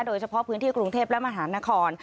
โดยเฉพาะพื้นที่กรุงเทพและมหานคร